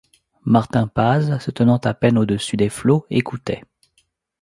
Martin Paz, se tenant à peine au-dessus des flots, écoutait